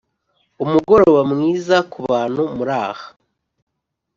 umugoroba mwiza kubantu muraha